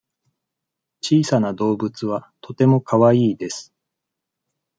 小さな動物はとてもかわいいです。